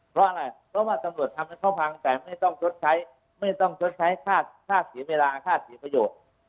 เพราะอะไรเพราะว่าตำรวจทำให้เขาพังแต่ไม่ต้องชดใช้ไม่ต้องชดใช้ค่าเสียเวลาค่าเสียประโยชน์